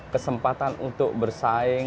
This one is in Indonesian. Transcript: kesempatan untuk bersaing